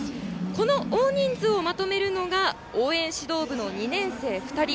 この大人数をまとめるのが応援指導部の２年生２人。